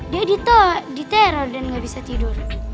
dia diteror dan nggak bisa tidur